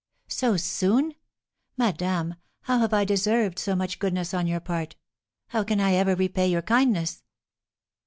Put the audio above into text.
"So soon! Madame, how have I deserved so much goodness on your part? How can I ever repay your kindness?"